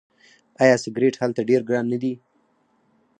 آیا سیګرټ هلته ډیر ګران نه دي؟